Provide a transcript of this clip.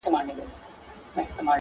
کوچي نکلونه، د آدم او دُرخانۍ سندري!!